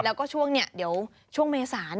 แล้วก็ช่วงนี้เดี๋ยวช่วงเมษา